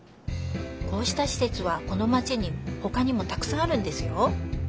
こうしたしせつはこのマチにほかにもたくさんあるんですよ。